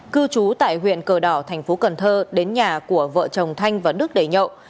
cư trú tại huyện cờ đỏ thành phố cần thơ đến nhà của vợ chồng thanh và đức để nhậu